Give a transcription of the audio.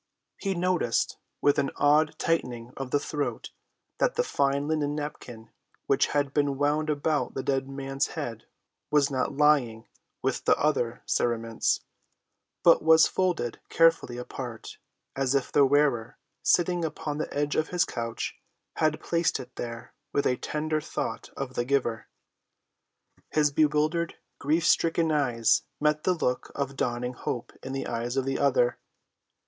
He noticed with an awed tightening of the throat that the fine linen napkin which had been wound about the dead man's head was not lying with the other cerements, but was folded carefully apart, as if the wearer, sitting upon the edge of his couch, had placed it there with a tender thought of the giver. His bewildered, grief‐stricken eyes met the look of dawning hope in the eyes of the other.